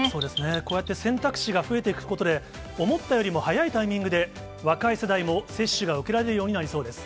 こうやって選択肢が増えていくことで、思ったよりも早いタイミングで若い世代も接種が受けられるようになりそうです。